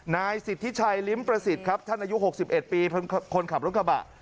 นายสิทธิชัยลิ้มประสิทธิ์ครับท่านอายุ๖๑ปีเป็นคนขับรถกระบะ